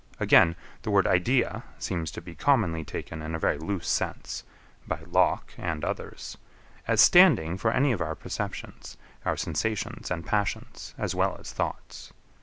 Again, the word idea, seems to be commonly taken in a very loose sense, by LOCKE and others; as standing for any of our perceptions, our sensations and passions, as well as thoughts.